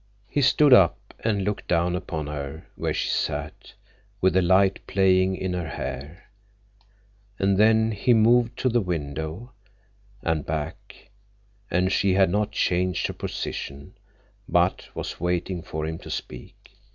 He stood up and looked down upon her where she sat, with the light playing in her hair; and then he moved to the window, and back, and she had not changed her position, but was waiting for him to speak.